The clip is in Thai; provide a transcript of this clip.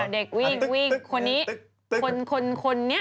เด็กวิ่งคนนี้